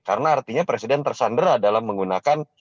karena artinya presiden tersandera dalam menggunakan